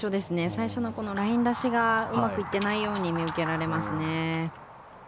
最初のライン出しがうまくいってないように見受けられますね。